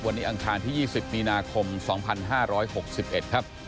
วันนี้อังคารที่๒๐มีนาคม๒๕๖๑ครับ